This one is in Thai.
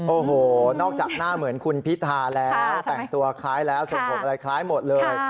โอ้โหนอกจากหน้าเหมือนคุณพิธาแล้วแต่งตัวคล้ายแล้วส่งผมอะไรคล้ายหมดเลย